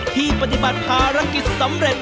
ปฏิบัติภารกิจสำเร็จ